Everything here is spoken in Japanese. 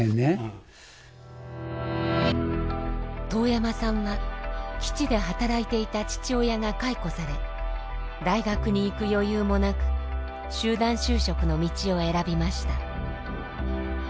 當山さんは基地で働いていた父親が解雇され大学に行く余裕もなく集団就職の道を選びました。